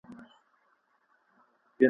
په تېر وصال پسي هجران وو ما یې فال کتلی